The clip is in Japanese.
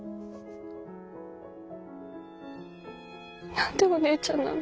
何でお姉ちゃんなの。